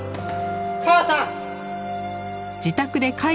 母さん！